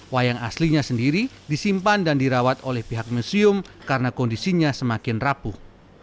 wayang aslinya sendiri disimpan dan dirawat oleh pihak museum karena kondisinya semakin rapuh